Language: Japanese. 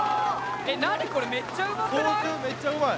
何これめっちゃうまくない？